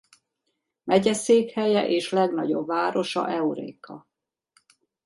Megyeszékhelye és legnagyobb városa Eureka.